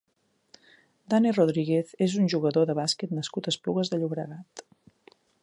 Dani Rodríguez és un jugador de bàsquet nascut a Esplugues de Llobregat.